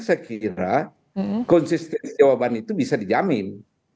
sekira konsisten jawaban itu bisa dijamin